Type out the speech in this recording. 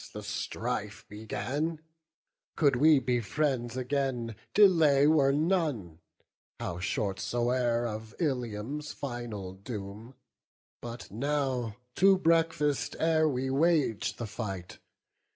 the strife began: Could we be friends again, delay were none, How short soe'er, of Ilium's final doom. But now to breakfast, ere we wage the fight.